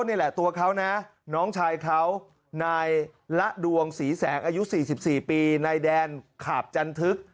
นี่แหละตัวเขานะน้องชายเขานายละดวงศรีแสงอายุ๔๔ปีนายแดนขาบจันทึก